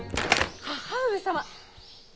義母上様。